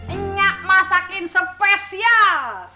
enggak masakin spesial